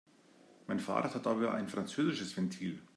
Mein Fahrrad hat aber ein französisches Ventil.